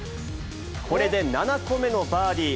これで７個目のバーディー。